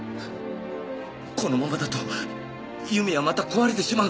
このままだと由美はまた壊れてしまう。